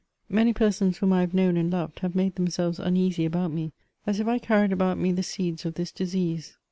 Many persons whom I have known and loved have made themselves uneasy about me, as if I carried about me the seeds of this disease.